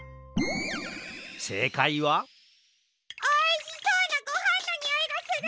せいかいはおいしそうなごはんのにおいがする！